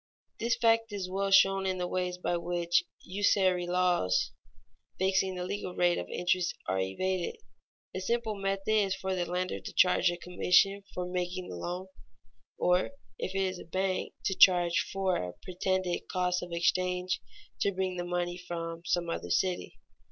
_ This fact is well shown in the ways by which usury laws fixing the legal rate of interest are evaded. A simple method is for the lender to charge a commission for making the loan, or, if it is a bank, to charge for a pretended cost of exchange to bring the money from some other city.